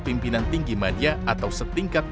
pimpinan tinggi media atau setingkat